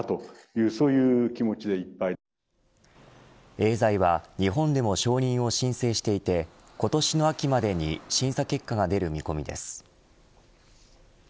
エーザイは、日本でも承認を申請していて今年の秋までに審査結果が出る見込みです。